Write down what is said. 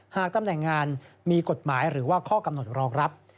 ตำแหน่งงานมีกฎหมายหรือว่าข้อกำหนดรองรับ